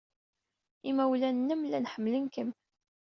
Imawlan-nnem llan ḥemmlen-m.